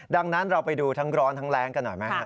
ดังนั้นเราไปดูทั้งร้อนทั้งแรงกันหน่อยไหมฮะ